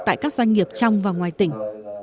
tại các doanh nghiệp trong và ngoài tỉnh